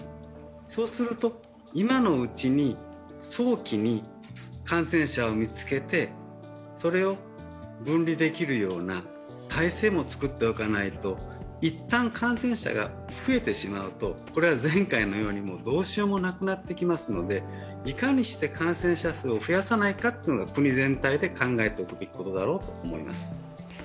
そうすると、今のうちに早期に感染者を見つけてそれを分離できるような体制も作っておかないと一旦、感染者が増えてしまうと、前回のようにどうしようもなくなってきますのでいかにして感染者数を増やさないかということが国全体で考えておくべきことだろうと思います。